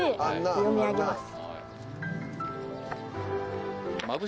読み上げます。